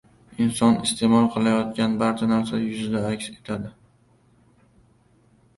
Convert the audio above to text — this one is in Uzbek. Inson iste’mol qilayotgan barcha narsa yuzida aks etadi